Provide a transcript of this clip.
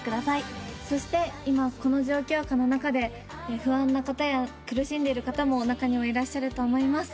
そして今この状況下の中で不安な方や苦しんでる方も中にはいらっしゃると思います。